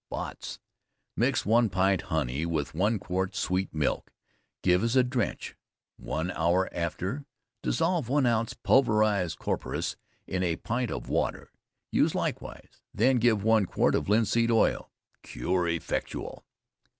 Botts. Mix one pint honey with one quart sweet milk, give as a drench, one hour after, dissolve 1 oz. pulverized Coperas in a pint of water, use likewise, then give one quart of Linseed Oil. Cure effectual.